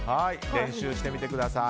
練習してみてください。